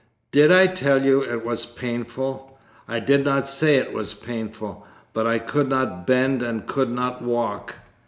'Did I tell you it was painful? I did not say it was painful, but I could not bend and could not walk.'